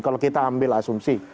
kalau kita ambil asumsi